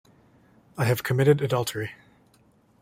I have committed adultery.